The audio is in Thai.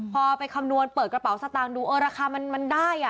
พอไปคำนวณเปิดกระเป๋าสตางค์ดูเออราคามันได้อ่ะ